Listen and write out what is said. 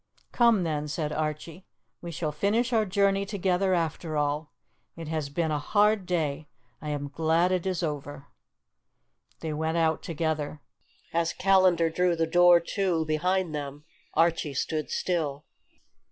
"Come, then," said Archie, "we shall finish our journey together after all. It has been a hard day. I am glad it is over." They went out together. As Callandar drew the door to behind them Archie stood still.